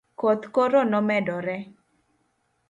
koth koro nomedore